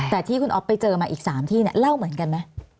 แต่ที่คุณอ๊อฟไปเจอมาอีก๓ที่เนี่ยเล่าเหมือนกันไหม